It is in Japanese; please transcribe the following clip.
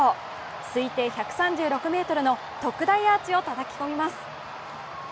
推定１３６ｍの特大アーチをたたき込みます。